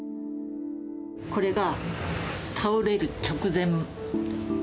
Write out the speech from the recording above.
これが倒れる直前。